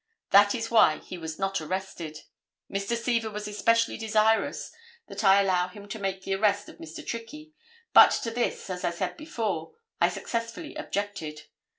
That is why he was not arrested. Mr. Seaver was especially desirous that I allow him to make the arrest of Mr. Trickey, but to this, as I said before, I successfully objected.